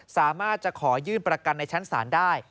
สามารถจะขอยื่นประกันในชั้นศาลได้